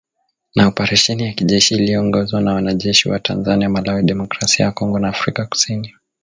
Na oparesheni ya kijeshi yaliyoongozwa na wanajeshi wa Tanzania, Malawi, Demokrasia ya Kongo na Afrika kusini